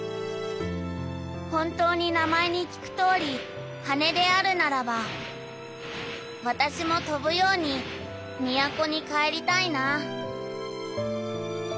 「本当に名前に聞くとおり羽であるならば私も飛ぶように都に帰りたいな」。